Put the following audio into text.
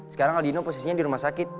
sekarang aldino posisinya di rumah sakit